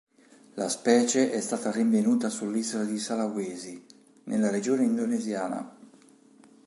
La specie è stata rinvenuta sull'isola di Sulawesi, nella regione indonesiana.